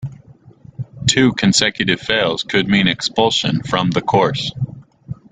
Two consecutive fails could mean expulsion from the course.